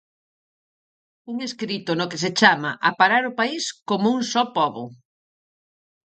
Un escrito no que se chama a "parar o país" como "un só pobo".